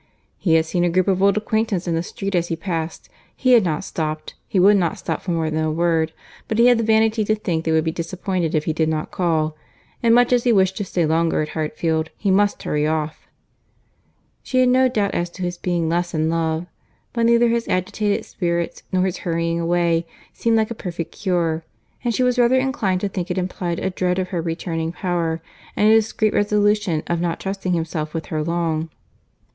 "He had seen a group of old acquaintance in the street as he passed—he had not stopped, he would not stop for more than a word—but he had the vanity to think they would be disappointed if he did not call, and much as he wished to stay longer at Hartfield, he must hurry off." She had no doubt as to his being less in love—but neither his agitated spirits, nor his hurrying away, seemed like a perfect cure; and she was rather inclined to think it implied a dread of her returning power, and a discreet resolution of not trusting himself with her long.